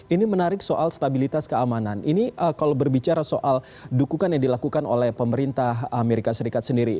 ini menarik soal stabilitas keamanan ini kalau berbicara soal dukungan yang dilakukan oleh pemerintah amerika serikat sendiri